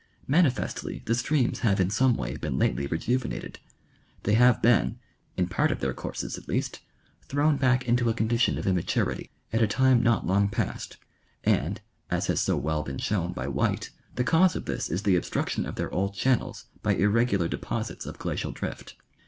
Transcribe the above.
Manifestly the streams have in some way been lately rejuvenated ; they have been, in part of their courses at least, thrown back into a condition of immaturity, at a time not long past, and, as has so well been shown by White, the cause of this is the obstruction of their old channels by irregular deposits of glacial drift.